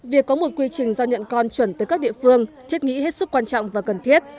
việc có một quy trình do nhận con chuẩn tới các địa phương thiết nghĩ hết sức quan trọng và cần thiết